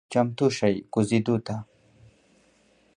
چمتو شئ کوزیدو ته…